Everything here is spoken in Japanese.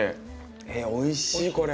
えっおいしいこれ。